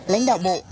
lãnh đạo bộ